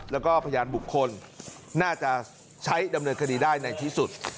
แล้วก็พยานบุคคลน่าจะใช้ดำเนินคดีได้ในที่สุด